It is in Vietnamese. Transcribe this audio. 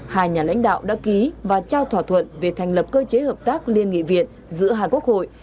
hai nhà lãnh đạo đã ký và trao thỏa thuận về thành lập cơ chế hợp tác liên nghị viện giữa hai quốc hội